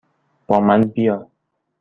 با من بیا!